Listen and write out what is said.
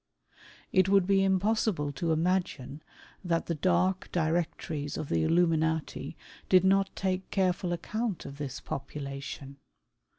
It would be impossible to imagine, that the dark Directories of the Illuminati did not take careful account of this population.